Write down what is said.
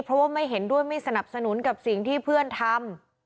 เพราะว่าไม่เห็นด้วยไม่สนับสนุนกับสิ่งที่เพื่อนทำ